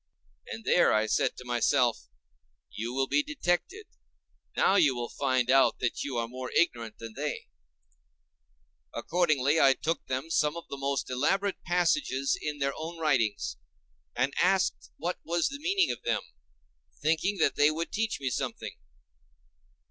And there, I said to myself, you will be detected; now you will find out that you are more ignorant than they are. Accordingly, I took them some of the most elaborate passages in their own writings, and asked what was the meaning of them—thinking that they would teach me something.